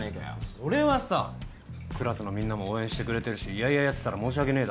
それはさクラスのみんなも応援してくれてるし嫌々やってたら申し訳ねえだろ。